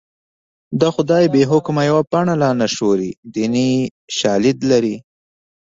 د خدای بې حکمه یوه پاڼه لا نه خوري دیني شالید لري